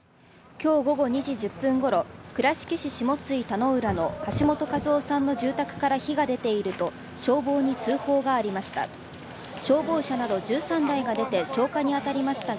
今日午後２時１０分ごろ、倉敷市下津井田之浦の橋本一男さんの住宅から火が出ていると消防に通報がありました。